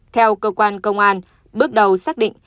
theo cơ quan công an bước đầu xác định